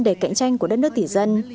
để cạnh tranh của đất nước tỷ dân